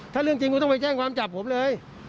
ถ้าเรื่องจริงคุณต้องไปแจ้งความจับผมเลย